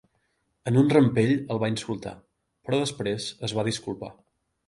En un rampell el va insultar, però després es va disculpar.